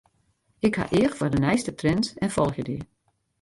Ik ha each foar de nijste trends en folgje dy.